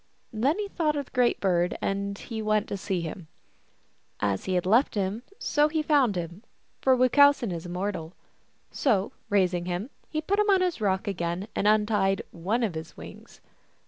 Then he thought of the Great Bird, and went to see him. As he had left him he found him, for Wuchowsen is immortal. So, raising him, he put him on his rock again, and untied one of his wings.